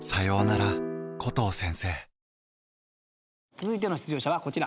続いての出場者はこちら。